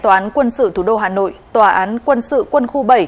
tòa án quân sự thủ đô hà nội tòa án quân sự quân khu bảy